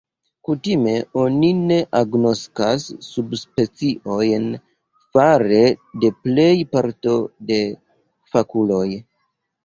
Kutime oni ne agnoskas subspeciojn fare de plej parto de fakuloj.